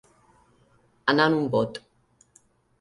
Anar en un bot.